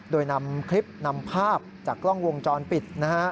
โดยนำคลิปนำภาพจากกล้องวงจรปิดนะฮะ